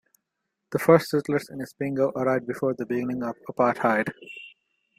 The first settlers in Isipingo arrived before the beginning of Apartheid.